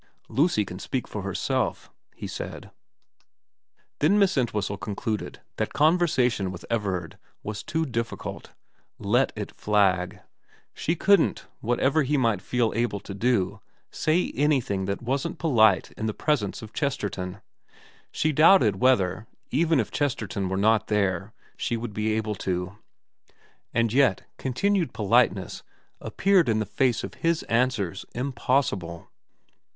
' Lucy can speak for herself,' he said. Then Miss Entwhistle concluded that conversation with Everard was too difficult. Let it flag. She couldn't, whatever he might feel able to do, say anything that wasn't polite in the presence of Chesterton. She doubted whether, even if Chesterton were not there, she would be able to ; and yet continued politeness appeared in the face of his answers impossible.